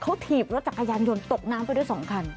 เขาถีบรถจักรยานยนต์ตกน้ำไปด้วย๒คัน